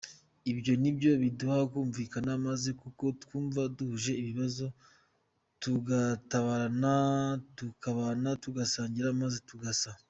Ibyo nibyo biduha kumvikana maze kuko twumva duhuje ibibazo tugatabarana, tukabana, tugasangira maze tugasa.